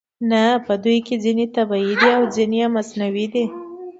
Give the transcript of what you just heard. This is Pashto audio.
نه په دوی کې ځینې یې طبیعي دي او ځینې یې مصنوعي دي